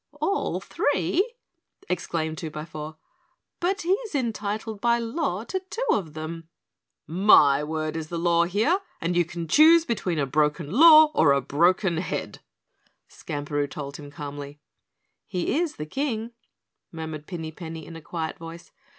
"All three!" exclaimed Twobyfour. "But he's entitled by law to two of them." "My word is the law here, and you can choose between a broken law or a broken head," Skamperoo told him calmly. "He is the KING," murmured Pinny Penny in a quiet voice.